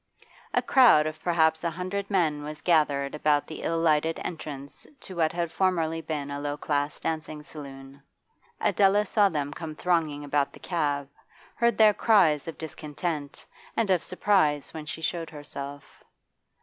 A crowd of perhaps a hundred men was gathered about the ill lighted entrance to what had formerly been a low class dancing saloon. Adela saw them come thronging about the cab, heard their cries of discontent and of surprise when she showed herself.